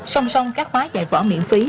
song song các khóa dạy võ miễn phí